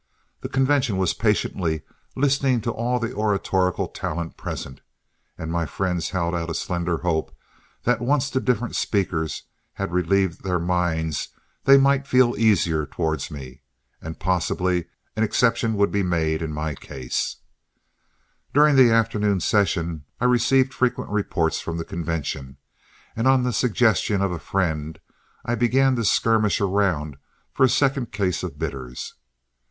The convention was patiently listening to all the oratorical talent present, and my friends held out a slender hope that once the different speakers had relieved their minds they might feel easier towards me, and possibly an exception would be made in my case. During the afternoon session I received frequent reports from the convention, and on the suggestion of a friend I began to skirmish around for a second case of bitters.